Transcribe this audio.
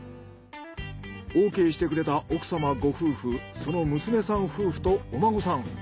オーケーしてくれた奥様ご夫婦その娘さん夫婦とお孫さん。